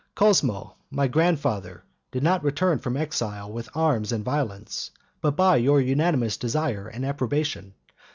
Cosmo, my grandfather, did not return from exile with arms and violence, but by your unanimous desire and approbation.